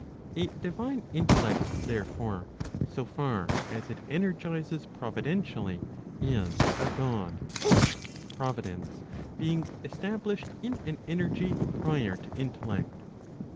A divine intellect, therefore, so far as it energizes providentially, is a God i providence being established in an energy prior to intellect.